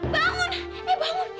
bangun eh bangun